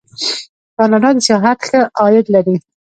کاناډا د سیاحت ښه عاید لري.